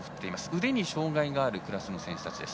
腕に障がいがあるクラスの選手です。